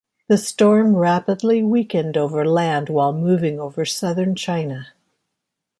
The storm rapidly weakened over land while moving over southern China.